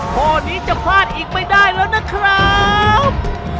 ข้อนี้จะพลาดอีกไม่ได้แล้วนะครับ